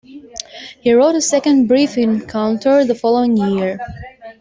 He wrote a second "Brief Encounter" the following year.